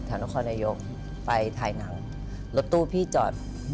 ธุระโครนโยคไปถ่ายหนังรถตู้พี่จอด